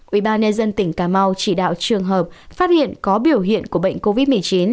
ủy ban nhân dân tỉnh cà mau chỉ đạo trường hợp phát hiện có biểu hiện của bệnh covid một mươi chín